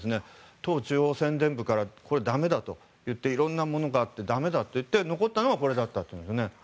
党中央宣伝部からこれは駄目だと言って色んなものがあって駄目だと言って残ったのがこれだったという。